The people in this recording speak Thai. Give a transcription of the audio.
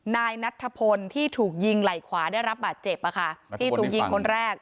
นายนัทธพลที่ถูกยิงไหล่ขวาได้รับบาดเจ็บที่ถูกยิงคนแรก